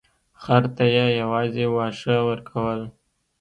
خر ته یې یوازې واښه ورکول.